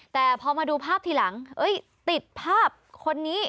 แต่พอมาดูภาพทีหลังติดภาพคนนี้